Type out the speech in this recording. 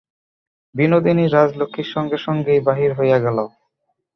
বিনোদিনী রাজলক্ষ্মীর সঙ্গে-সঙ্গেই বাহির হইয়া গেল।